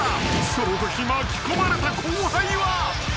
そのとき巻き込まれた後輩は］